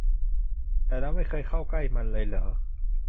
แต่เราไม่เคยเข้าใกล้มันเลยเหรอ ?